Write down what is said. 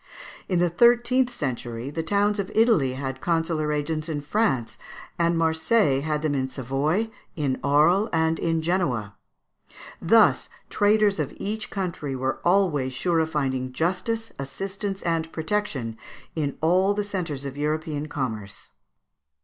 In the thirteenth century the towns of Italy had consular agents in France; and Marseilles had them in Savoy, in Arles, and in Genoa. Thus traders of each country were always sure of finding justice, assistance, and protection in all the centres of European commerce.